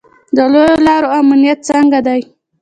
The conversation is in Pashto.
د لویو لارو امنیت څنګه دی؟